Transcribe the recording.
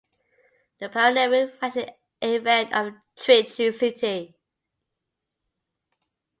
The pioneering Fashion Event of Trichy City.